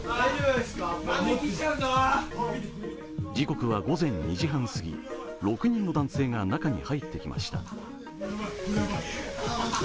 時刻は午前２時半過ぎ、６人の男性が中に入ってきました。